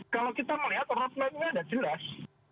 kalau kita melihat roadmapnya sudah jelas